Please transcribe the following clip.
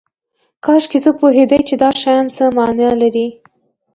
کاشکې زه پوهیدای چې دا شیان څه معنی لري